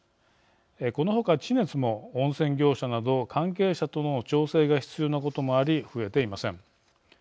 このほか、地熱も温泉業者など関係者との調整が必要なこともあり増えていません。